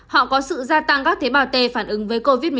họ có sự gia tăng các tế bào t phản ứng với covid một mươi chín